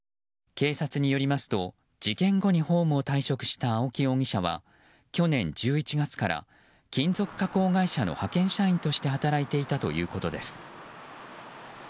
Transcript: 警察によりますと事件後にホームを退職した青木容疑者は去年１１月から金属加工会社の派遣社員として働いていたということです。